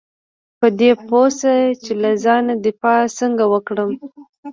په دې پوه شه چې له ځان دفاع څنګه وکړم .